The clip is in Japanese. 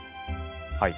はい。